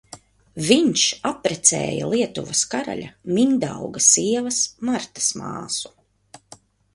Viņš apprecēja Lietuvas karaļa Mindauga sievas Martas māsu.